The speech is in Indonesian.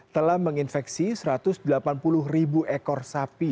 telah menginfeksi satu ratus delapan puluh ribu ekor sapi